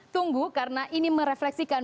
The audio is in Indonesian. tunggu karena ini merefleksikan